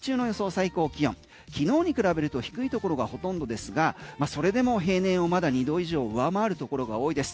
最高気温きのうに比べると低いところがほとんどですがそれでも平年をまだ２度以上上回るところが多いです。